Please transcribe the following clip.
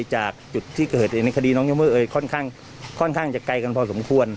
จากจุดที่เกิดเหตุในคดีน้องยู่เอยค่อนข้างจะไกลกันพอสมควร